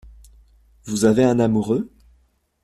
Vous avez un amoureux ?